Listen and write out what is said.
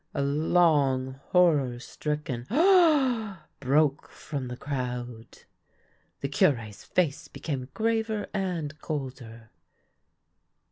A long horror stricken " Ah !" broke from the crowd. The Cure's face became graver and colder.